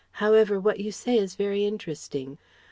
However what you say is very interesting.